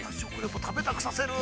◆食べたくさせる。